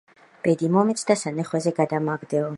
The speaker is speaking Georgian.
ბედი მომეც და სანეხვეზე გადამაგდეო.